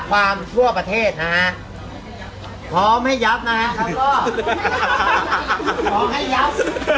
ทั่วประเทศนะฮะพร้อมให้ยับนะฮะแล้วก็พร้อมให้ยับ